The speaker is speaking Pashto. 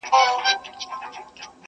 • زما خو تمه وه چي خورو به یې ښورواوي,